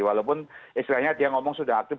walaupun istilahnya dia ngomong sudah aktif